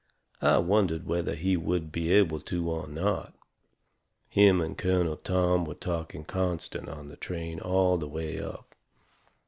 I wondered whether he would be able to or not. Him and Colonel Tom were talking constant on the train all the way up.